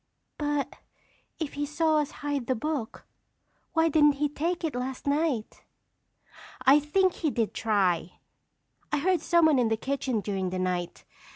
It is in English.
"But if he saw us hide the book, why didn't he take it last night?" "I think he did try. I heard someone in the kitchen during the night.